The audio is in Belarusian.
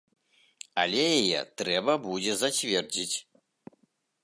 Але яе трэба будзе зацвердзіць.